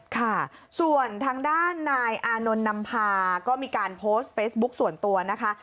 ค่ะส่วนทางด้านนายอานนท์นำพาก็มีการโพสต์เฟซบุ๊คส่วนตัวนะคะ